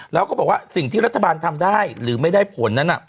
แล้วก็บอกว่าสิ่งที่รัฐบาลทำได้หรือไม่ได้ผลนั้น